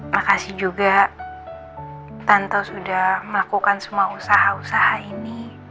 makasih juga tanto sudah melakukan semua usaha usaha ini